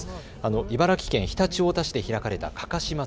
茨城県常陸太田市で開かれた、かかし祭。